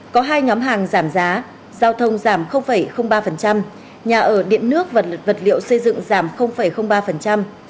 có hai nhóm hàng giảm giá giao thông giảm ba nhà ở điện nước và vật liệu xây dựng giảm ba